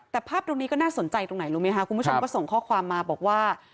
แต่ภาพตรงนี้ก็น่าสนใจตรงไหนรู้ไหมคะคุณผู้ชมก็ส่งข้อความมาบอกว่า